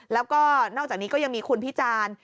แล้วก็นอกจากนี้ก็ยังมีคุณพิจารณ์